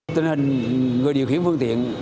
tình hình người điều khiển phương tiện